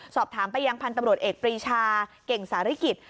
ศอบถามปะยังพรรณตรวรศเอกปรีชาเก่งสาริกิต